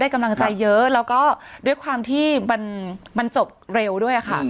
กำลังใจเยอะแล้วก็ด้วยความที่มันจบเร็วด้วยค่ะ